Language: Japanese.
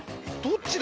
どっち？